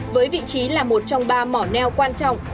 với vị trí là một trong ba mỏ neo quan trọng